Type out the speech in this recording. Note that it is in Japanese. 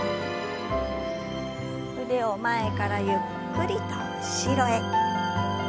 腕を前からゆっくりと後ろへ。